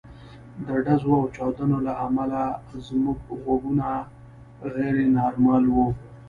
د ډزو او چاودنو له امله زما غوږونه غیر نورمال وو